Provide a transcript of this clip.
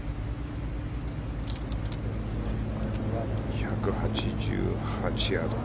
１８８ヤード。